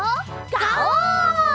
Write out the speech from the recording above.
ガオー！